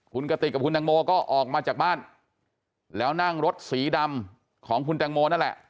คุณกติกกับคุณตังโมก็ออกมาจากบ้านแล้วนั่งรถสีดำของคุณแตงโมนั่นแหละ